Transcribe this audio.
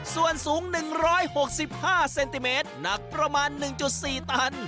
ส่วนสูง๑๖๕เซนติเมตรหนักประมาณ๑๔ตัน